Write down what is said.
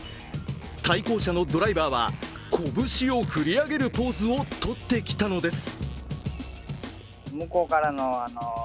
対向車のドライバーは、こぶしを振り上げるポーズをとってきたのです。